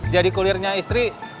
jadi kulirnya istri